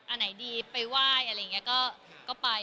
อันไหนดีไปไหว้อะไรอย่างนี้ก็ไป